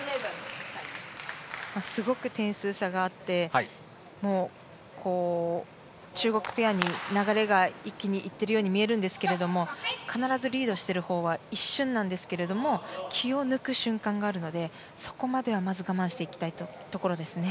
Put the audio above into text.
すごく点数差があってもう中国ペアに流れが一気にいっているように見えるんですけれども必ずリードしているほうは一瞬なんですけれども気を抜く瞬間があるのでそこまでは、まず我慢していきたいところですね。